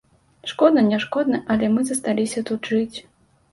Шкодна не шкодна, але мы засталіся тут жыць.